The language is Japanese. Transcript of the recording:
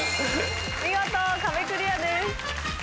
見事壁クリアです。